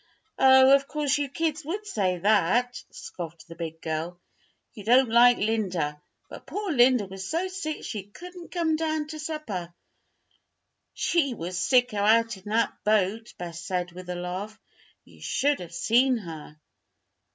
"Oh, of course you kids would say that," scoffed the big girl. "You don't like Linda. But poor Linda was so sick she couldn't come down to supper." "She was sicker out in that boat," Bess said, with a laugh. "You should have seen her."